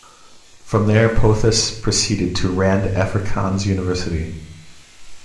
From there Pothas proceeded to Rand Afrikaans University.